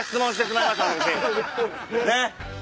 ねっ。